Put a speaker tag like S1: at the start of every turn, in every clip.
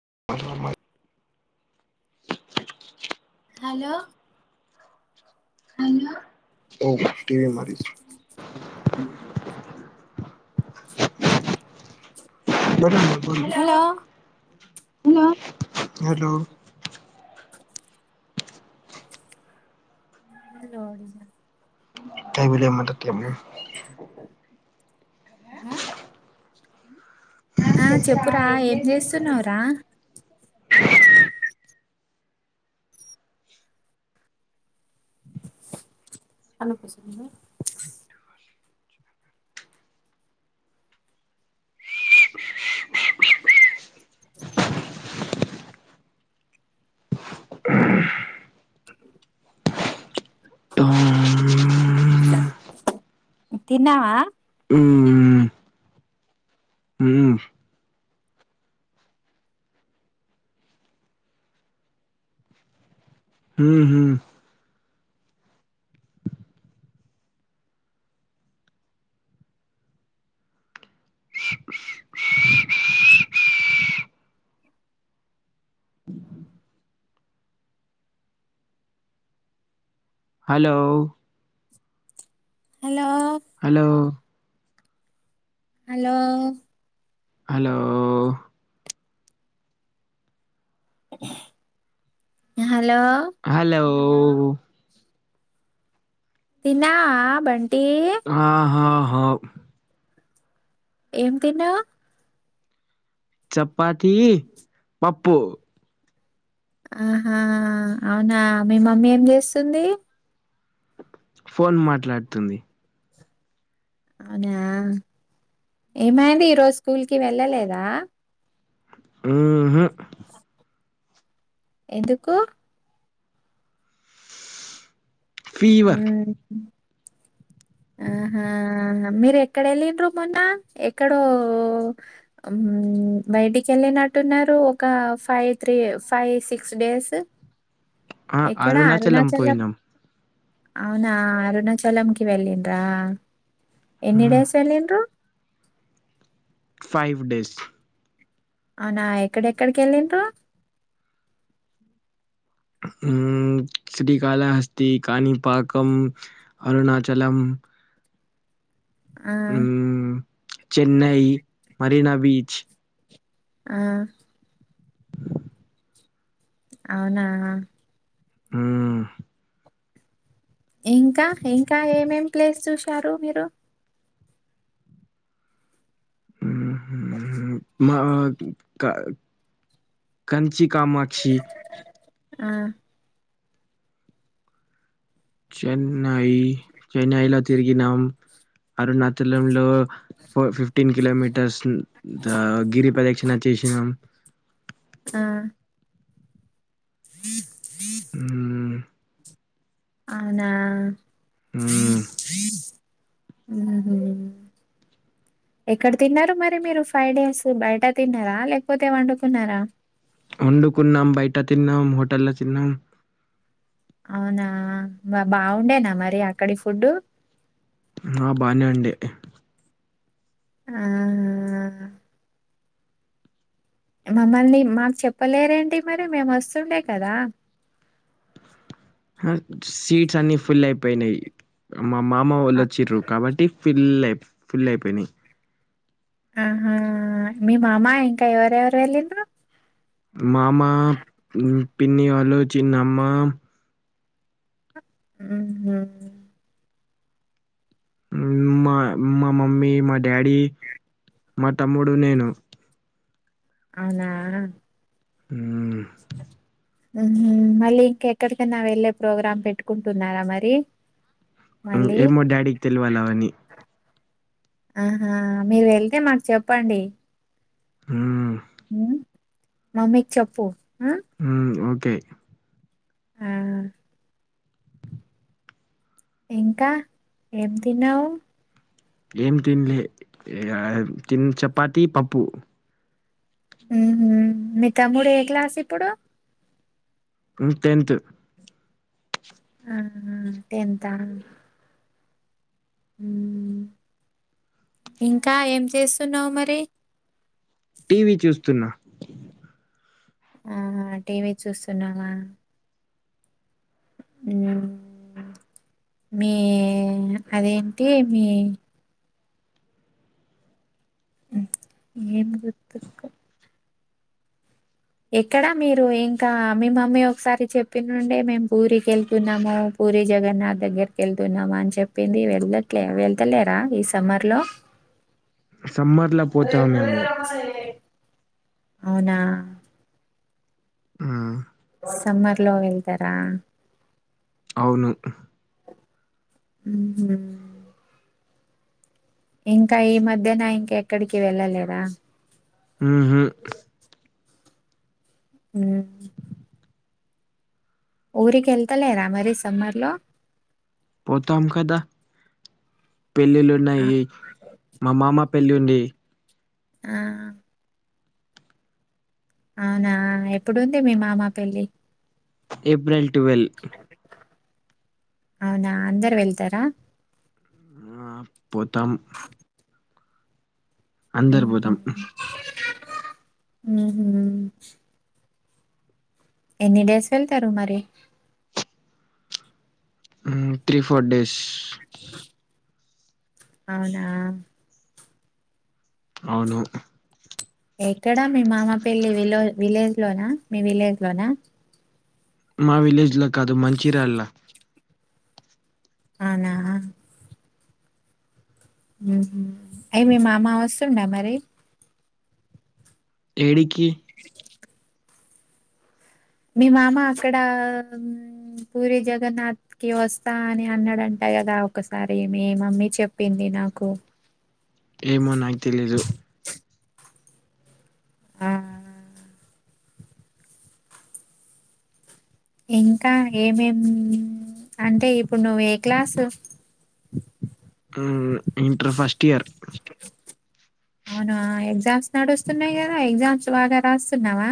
S1: [unintelligible]
S2: Hello
S1: hello [unintelligible] మరి hello hello
S2: నోడిగా
S1: తవిలమ్మ తత్తియమ్మ
S2: హ
S1: ఆ చెప్పురా ఏం చేస్తున్నారు
S2: తనకోసమేనా తిన్నావా
S1: ఉమ్ ఉంహు hello
S2: hello
S1: hello
S2: hello
S1: hello
S2: hello
S1: ఓ
S2: తిన్నావా బం
S1: ఆహాహా
S2: ఏం తిన్నావ్
S1: చపాతీ పప్పు
S2: ఆహా అవునా మీ మమ్మీ ఏం చేస్తుంది
S1: ఫోన్ మాట్లాడుతుంది
S2: అవునా ఏమైంది ఈరోజు స్కూల్ కి వెళ్ళలేదా
S1: ఉంహు
S2: ఎందుకూ
S1: ఫీవర్
S2: ఉమ్ ఆహా మీరెక్కడెళ్లిండ్రూ మొన్న ఎక్కడో ఉమ్ బయటికి వెళ్ళనట్టున్నారు ఒక five three five six days
S1: ఆ
S2: ఎక్కడా అరుణాచలం
S1: పోయినాం
S2: అవునా అరుణాచలంకిి వెళ్ళిండ్రా ఎన్నిడేస్ వెళ్ళిండ్రు
S1: ఫైవ్ డేస్
S2: అవునా ఎక్కడెక్కడికెళ్ళిండ్రు
S1: ఉమ్ శ్రీకాళహస్తి, కానీపాకం, అరుణాచలం
S2: ఆ
S1: హ్మ్, చెన్నై మరీనా బీచ్
S2: ఆ అవునా
S1: ఉం
S2: ఇంకా ఇంకా ఏం ఎం ప్లేస్ చూశారు మీరు
S1: ఉహు మాది కంచి కామాక్షి
S2: ఆ
S1: చెన్నై చెన్నైలో తిరిగినం అరుణాచలంలో ఫోర్ ఫిఫ్టీన్ కిలోమీటర్స్ గిరి ప్రదక్షిణ చేసినాం.
S2: ఆ
S1: ఆ
S2: అవునా
S1: ఊ
S2: ఉంహు ఎక్కడ తిన్నారు మరి మీరు ఫైవ్ డేస్ బయట తిన్నారా, లేకపోతే వండుకున్నారా.
S1: వండుకున్నాం. బయట తిన్నాం. హోటల్లో తిన్నాం.
S2: అవునా బాగుండేనా మరి అక్కడి ఫుడ్డు
S1: ఆ బానే ఉండే
S2: ఆ మమ్మల్ని మాకు చెప్పలేరండి. మరి మేము ఒస్తుండే కదా.
S1: అ సీట్స్ అన్ని ఫుల్ అయిపోయినాయి. మా మామ
S2: ఆ
S1: వాళ్ళు వచ్చిర్రు కాబట్టి ఫిల్ అయి ఫుల్ అయిపోయినాయి.
S2: ఆహా మీ మామ ఇంకా ఎవరెవరు వెళ్లింన్రు
S1: మామ పిన్ని వాళ్ళు చిన్నమ్మ
S2: ఉంహు
S1: మా మా మమ్మీ మా డాడీ మా తమ్ముడు నేను
S2: అవునా
S1: ఉం
S2: ఉహు మళ్ళీ ఇంక ఎక్కడికైనా వెళ్ళే ప్రోగ్రామ్ పెట్టుకుంటున్నారా మరి. మళ్ళీ?
S1: ఏమో డాడీకి తెలివాల అవన్ని
S2: ఆహా మీరు వెళ్తే మాకు చెప్పండి.
S1: ఉ
S2: ఉ మమ్మీ కి చెప్పు ఆ!
S1: ఉం ఓకే
S2: ఆ ఇంకా ఏం తిన్నావు
S1: ఏం తిన్లే తిన్ చపాతి పప్పు
S2: ఉహు మీ తమ్ముడు ఏ క్లాస్ ఇప్పుడు
S1: ఉ టెన్త్
S2: అహ టెంతా ఉమ్ ఇంకా ఏం చేస్తున్నావు మరి
S1: టీవీ చూస్తున్నా
S2: ఆహ టీవీ చూస్తున్నావా ఉ మీ అదేంటి మీ ఏమ్ గుతుకు ఎక్కడా మీరు ఇంకా మీ మమ్మీ ఒకసారి చెప్పినుండే మేము పూరి కెళ్తున్నాము పూరి జగన్నాథ్ దగ్గరకి వెళ్తున్నామని చెప్పింది వెళ్లట్లే వెళ్తలేరా ఈ సమ్మర్ లో
S1: సమ్మర్ లా పోతాంమేము
S2: అవునా
S1: ఆహ
S2: సమ్మర్లో వెళ్తారా
S1: అవ్ను
S2: ఉ హుహ్ ఇంకా ఈ మధ్యనా ఇంకేక్కడికి వెళ్ళలేరా
S1: ఉమ్ హు
S2: ఉమ్ ఊరికెళ్తలేరా మరి సమ్మర్లో
S1: పోతం కదా పెళ్లిలున్నాయి మా మామ పెళ్ళుంది
S2: ఆ అవునా ఎప్పుడుంది మీ మామా పెళ్ళి
S1: ఏప్రిల్ ట్వేల్
S2: అవ్నా అందరు వెళ్తారా
S1: ఆ పోతాం అందర్బోతం
S2: ఉహు ఎన్ని డేస్ వెళ్తారు మరి
S1: మ్ త్రీ ఫోర్ డేస్
S2: అవునా
S1: అవ్ను
S2: ఎక్కడా మీ మామ పెళ్లి విలొ-విలేజ్లోనా మీ విలేజ్లోనా
S1: మా విలేజ్ లో కాదు మంచిరాల
S2: అవ్నా ఉమ్ హు అయ్ మీ మామ వస్తుండా మరి
S1: ఏడికి
S2: మీ మామ అక్కడా పూరి జగన్నాథ్ కి వస్తా అని అన్నాడంటా ట కదా ఒక్కసారి మీ మమ్మీ చెప్పింది నాకు
S1: ఏమో నాకి తెలీదు
S2: ఆ ఇంకా ఏంమేం అంటే ఇప్పుడు నువ్వే క్లాసు
S1: ఉహ్ ఇంటర్ ఫస్టియర్
S2: అవ్నా ఎగ్జామ్స్ నడుస్తున్నాయ్ గదా ఎగ్జామ్స్ బాగా రాస్తున్నావా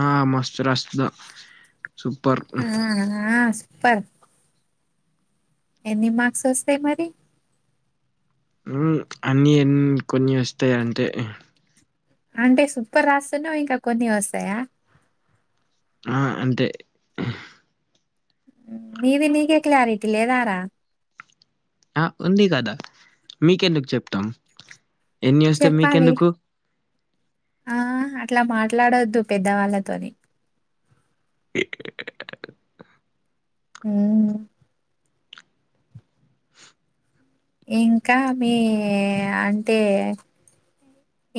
S1: ఆ మస్తు రాస్తునా సూపర్
S2: పర్ ఎన్ని మార్క్సోస్తాయి మరి
S1: ఉహ్ అన్నిన్ని కొన్ని ఓస్తాయంటే
S2: అంటే సూపర్ రాస్తున్నావ్ ఇంకా కొన్ని ఓస్తాయా
S1: అ-అంతె
S2: నీది నీకే క్లారిటీ లేదారా
S1: ఆ ఉంది గదా మీకెందుకు చెప్తాం ఎన్ని ఓస్తే
S2: చెప్పాలి
S1: మీకెందుకు
S2: ఆ అట్లా మాట్లాడొద్దు పెద్దవాళ్ళతోని
S1: [inaudible]
S2: ఉహ్ ఇంకా మీ అంటే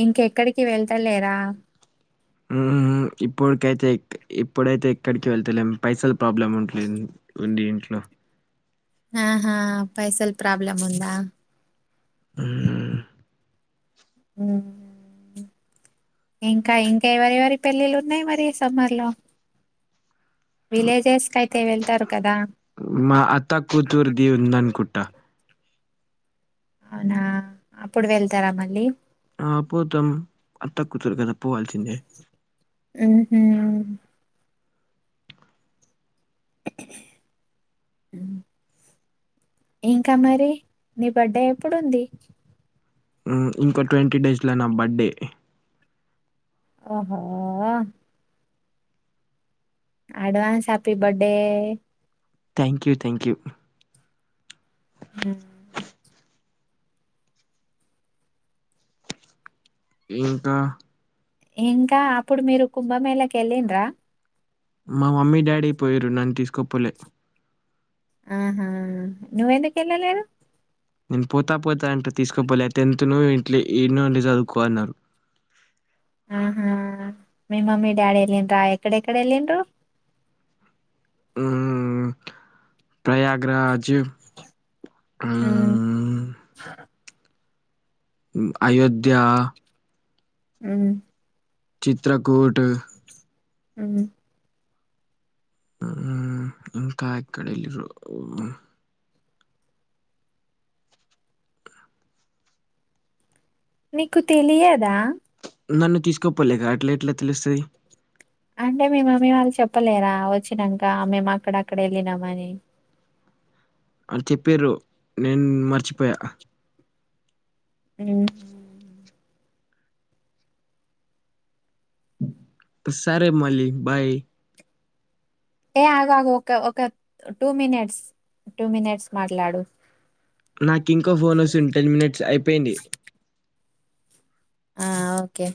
S2: ఇంకెక్కడికి వెళ్తలేరా
S1: మ్ ఇప్పటికైతే ఇప్పుడైతే ఎక్కడికి వెళ్తలేం పైసల పబ్లం ఉంటునై ఉంది ఇంట్లో
S2: ఆహా పైసల్ ప్రాబ్లమ్ ఉందా మ్ ఇంకా ఇంకా ఎవరి ఎవరి పెళ్ళిళ్ళు ఉన్నాయి మరి సమ్మర్ లో విలేజెస్ కైతే వెళ్తారు కదా
S1: మా అత్త కూతుూర్ది ఉంద అనుకుంట
S2: అవునా అప్పుడు వెళ్తారా మళ్ళీ
S1: ఆ పోతాం అత్త కుతురు కదా పోవాల్సిందే
S2: ఊహ్మ్మ్ ఇంకా మరి నీ బడే ఎప్పుడుంది
S1: మ్ ఇంకో ట్వంటీ డేస్లో నా బడే
S2: ఆహో advance happy birthday
S1: thank you thank you
S2: హిం
S1: ఇంకా
S2: ఇంకా అప్పుడు మీరు కుంభమేళకి ఎలిన్రా
S1: మా మమ్మీ డాడీ పోయారు నన్ తీసుకపోలే
S2: ఆహా నువ్వెందుకు ఏళ్ల లేదు
S1: నేను పోతా పోతా అంటె తీసుకపోలే టెన్త్ నువ్ ఇంట్లో ఇడ్నె ఉండి సదువుకో అన్నారు
S2: ఆహా మీ మమ్మీ డాడీ ఎల్లిన్నర ఎక్కడెక్డ ఎల్లిన్నరు
S1: హ్మ్మ్ ప్రయాగరాజ్
S2: హ్మ్.
S1: మ్ అయోధ్యా
S2: మ్
S1: చిత్రకూట్
S2: మ్
S1: మ్ ఇంకా ఎకడెలీరు
S2: నీకు తెలియదా
S1: నన్ను తీసుకపోలేగా అట్లా ఎట్లా తెలుస్తుది
S2: అంటే మీ మమ్మీ వాళ్ళు చెప్పలేరా వచ్చినంక మేము అక్కడ అక్కడ ఎళ్ళినామని
S1: అల్లు చెప్పిరు నేను మర్చిపోయా
S2: మ్ హు
S1: సరే మలి బాయ్
S2: ఏ ఆగ్ ఆగు ఒక ఒక టూ మినిట్స్ టూ మీనిట్స్ మాట్లాడు
S1: నాకు ఇంకో ఫోన్ ఓస్తుంది టెన్ మినిట్స్ అయిపోయింది
S2: ఆ ఓకే